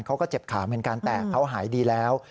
เขาก็เจ็บขาเหมือนกันแต่เขาหายดีแล้ว